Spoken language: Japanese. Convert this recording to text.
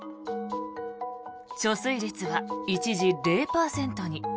貯水率は一時、０％に。